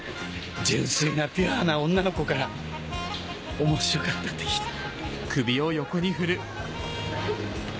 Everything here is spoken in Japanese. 純粋なピュアな女の子から「面白かった？」って聞いたら。